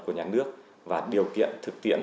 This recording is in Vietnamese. của nhà nước và điều kiện thực tiễn